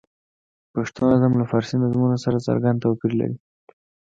پښتو نظم له فارسي نظمونو سره څرګند توپیر لري.